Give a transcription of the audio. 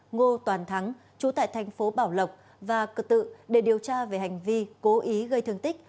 ngô toàn thắng chú tại thành phố bảo lộc và cờ tự để điều tra về hành vi cố ý gây thương tích